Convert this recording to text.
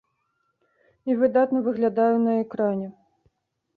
І выдатна выглядаю на экране!